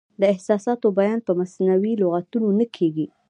د احساساتو بیان په مصنوعي لغتونو نه کیږي.